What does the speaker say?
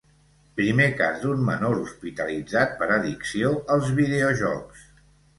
Primer cas d’un menor hospitalitzat per addicció als videojocs.